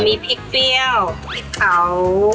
มีพริกเปรี้ยวพริกเผา